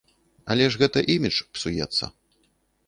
Але ж гэта імідж псуецца.